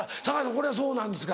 これはそうなんですか？